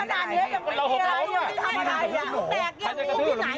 และในการสมบัติของสถาดงงแห่งสวรรคสินคอนดิจักรรมนี้